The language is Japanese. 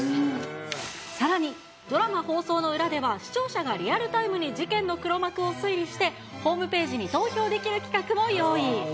さらに、ドラマ放送の裏では、視聴者がリアルタイムに事件の黒幕を推理して、ホームページに投票できる企画も用意。